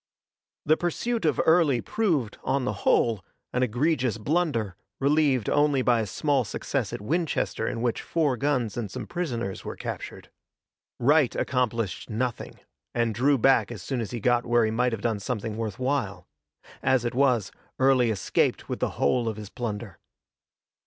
The pursuit of Early proved, on the whole, an egregious blunder, relieved only by a small success at Winchester in which four guns and some prisoners were captured. Wright accomplished nothing, and drew back as soon as he got where he might have done something worth while. As it was, Early escaped with the whole of his plunder.